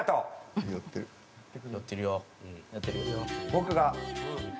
僕が。